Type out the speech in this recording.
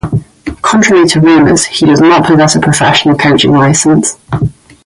Contrary to rumors, he does not possess a professional coaching license.